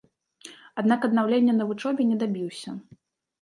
Аднак аднаўлення на вучобе не дабіўся.